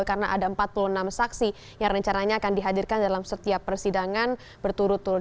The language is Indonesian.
karena ada empat puluh enam saksi yang rencananya akan dihadirkan dalam setiap persidangan berturut turut